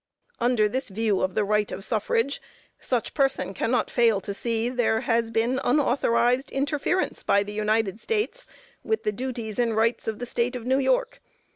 Under this view of the right of suffrage such person cannot fail to see there has been unauthorized interference by the United States, with the duties and rights of the State of New York.